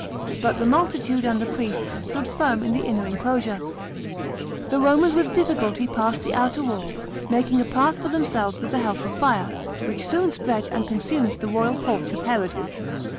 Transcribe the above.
But the multitude and the p'iests stood firm in the inner enclosure. The Romans with difficulty passed the outer wall, making a path for themselves with the help of fire, which soon spread and consumed the royal porch of Herod.